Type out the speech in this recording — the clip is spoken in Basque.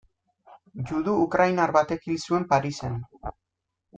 Judu ukrainar batek hil zuen Parisen.